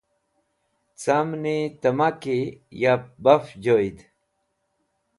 Camni tẽma ki yab baf joyd.